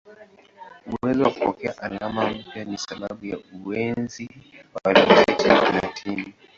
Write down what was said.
Uwezo wa kupokea alama mpya ni sababu ya uenezi wa alfabeti ya Kilatini.